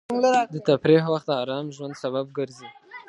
د تفریح وخت د ارام ژوند سبب ګرځي.